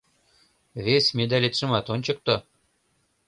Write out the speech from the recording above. — Вес медалетшымат ончыкто!